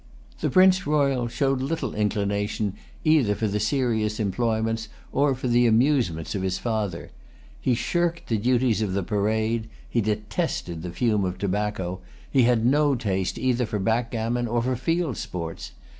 The Prince Royal showed little inclination either for the serious employments or for the amusements of his father. He shirked the duties of the parade; he detested the fume of tobacco; he had no taste either for backgammon or for field sports.